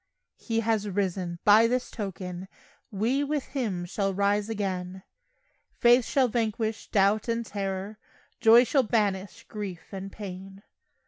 He has risen! By this token We with Him shall rise again; Faith shall vanquish doubt and terror, Joy shall banish grief and pain.